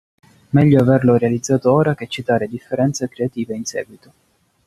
Meglio averlo realizzato ora che citare differenze creative in seguito.